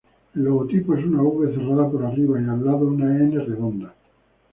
El logotipo es una V cerrada por arriba y al lado una N redonda.